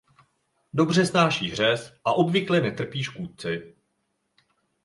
Dobře snáší řez a obvykle netrpí škůdci.